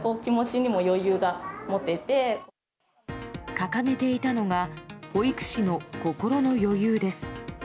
掲げていたのが保育士の心の余裕です。